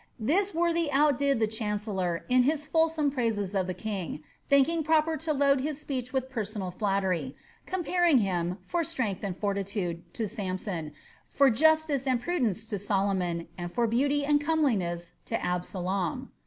This worthy outdid the chancellor in his fulsome praises of the king, thinking proper to load his speech with personal flattery, ^ comparing him, for strength and for mode, to Samson, for justice and prudence to Solomon, and for beauty and comeliness to Absalom."